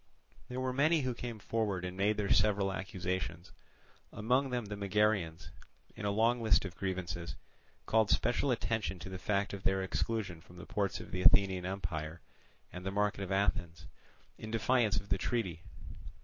There were many who came forward and made their several accusations; among them the Megarians, in a long list of grievances, called special attention to the fact of their exclusion from the ports of the Athenian empire and the market of Athens, in defiance of the treaty.